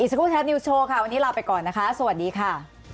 อีกสักครู่แท็บนิวส์โชว์ค่ะวันนี้ลาไปก่อนนะคะสวัสดีค่ะ